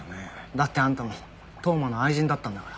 だってあんたも当麻の愛人だったんだから。